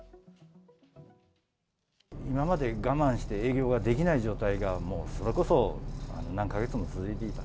今まで我慢して営業ができない状態がもうそれこそ何か月も続いていた。